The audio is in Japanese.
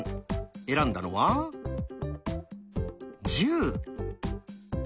選んだのは「１０」。